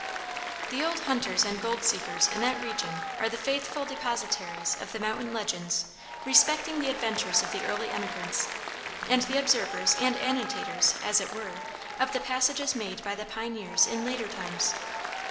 The old hunters and gold seekers in that region are the faithful depositaries of the mountain legends respecting the adventures of the early emigrants, and the observers and annotators, as it were, of the passages made by the pioneers in later times.